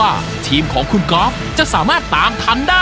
อันนั้นอะไรอันนั้น๕๖๗๘๙๑๐๑๑๑๒๑๓